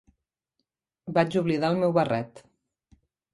Vaig oblidar el meu barret.